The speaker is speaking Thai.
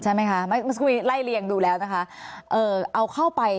ใช่ไหมคะเมื่อกี๊ไล่เลี่ยงดูแล้วนะคะ